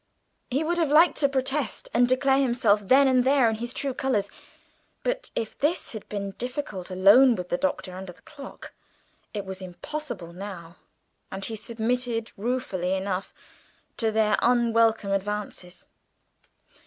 He would have liked to protest and declare himself there and then in his true colours, but if this had been difficult alone with the Doctor under the clock, it was impossible now, and he submitted ruefully enough to their unwelcome advances.